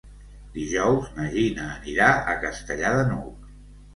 Dijous na Gina anirà a Castellar de n'Hug.